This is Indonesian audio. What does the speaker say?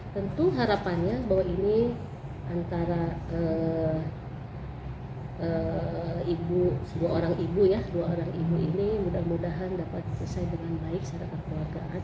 tentu harapannya bahwa ini antara ibu ya dua orang ibu ini mudah mudahan dapat selesai dengan baik secara kekeluargaan